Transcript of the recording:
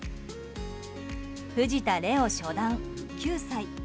藤田怜央初段、９歳。